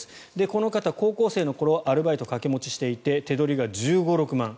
この方、高校生の頃アルバイト掛け持ちしていて手取りが１５１６万。